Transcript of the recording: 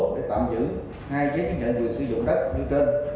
để tạm giữ hai giấy chứng nhận quyền sử dụng đất như trên